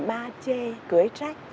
ma chê cưới trách